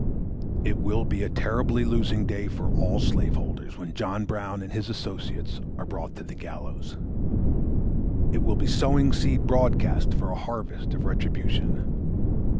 (¶ 5) It will be a terribly losing day for all Slaveholders when John Brown and his associates are brought to the gallows. It will be sowing seed broadcast for a harvest of retribution.